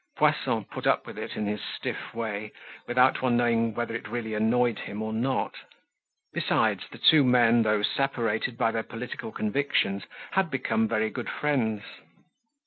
Poisson put up with it in his stiff way without one knowing whether it really annoyed him or not. Besides the two men, though separated by their political convictions, had become very good friends.